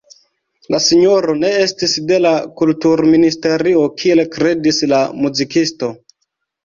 La sinjoro ne estis de la Kulturministerio kiel kredis la muzikisto.